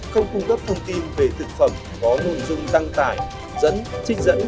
không cung cấp thông tin về thực phẩm có nôn dung tăng tải dẫn trinh dẫn